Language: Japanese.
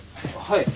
はい。